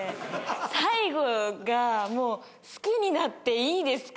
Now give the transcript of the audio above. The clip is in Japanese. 最後がもう「好きになっていいですか？」